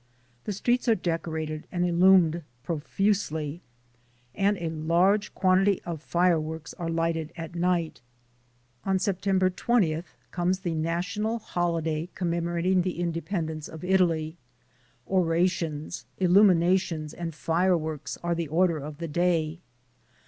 The streets are decorated and illumined profusely, and a large quantity of fireworks are lighted at night. On September 20th comes the national holiday commemorating the independence of Italy. Orations, illuminations and fireworks are the order of the day.